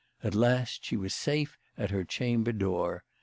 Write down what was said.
At last she was safe at her chamber door.